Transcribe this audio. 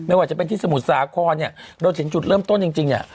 ว่าจะเป็นที่สมุทรสาครเนี่ยเราเห็นจุดเริ่มต้นจริงเนี่ย